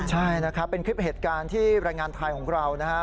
ใช่นะครับเป็นคลิปเหตุการณ์ที่แรงงานไทยของเรานะฮะ